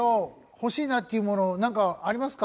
欲しいなっていうものなんかありますか？